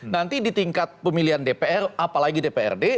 nanti di tingkat pemilihan dpr apalagi dprd